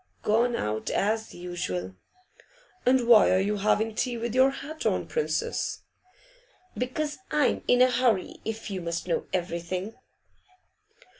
'Gone out, as usual.' 'And why are you having tea with your hat on, Princess?' 'Because I'm in a hurry, if you must know everything.